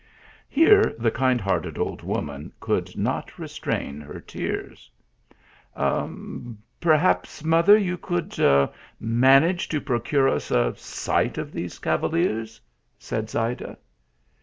Here the kind hearted old woman rould not re strain her tears. " Perhaps, mother, you could manage to procure us a sight of these cavaliers," said Zayda.